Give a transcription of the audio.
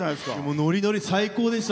ノリノリ、最高でした。